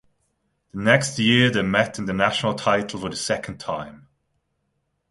The next year they met in the national title for the second time.